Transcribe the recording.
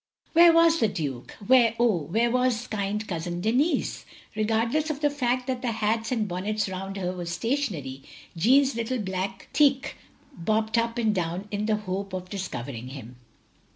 Where was the Duke? Where, oh, where was kind Cousin Denis? Regardless of the fact that the hats and bonnets around her were stationary, Jeanne's little black teque bobbed up and down in the hope of dis covering him.